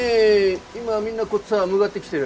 今みんなこっちさ向がってきてる。